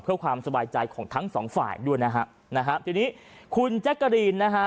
ด้วยความสบายใจของทั้งสองฝ่ายด้วยนะครับทีนี้คุณแจ๊กการีนนะฮะ